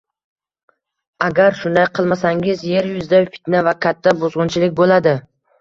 Agar shunday qilmasangiz, yer yuzida fitna va katta buzgʻunchilik boʻladi